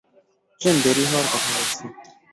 Train দেরি হওয়ার কথা বলছি।